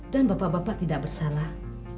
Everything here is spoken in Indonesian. dan bapak bapak tidak bersalah